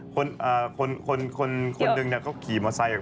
คนหนึ่งก็ขี่มอไซด์